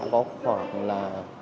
có khoảng là